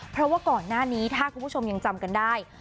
เพราะว่าก่อนหน้านี้ถ้าคุณผู้ชมยังจำกันได้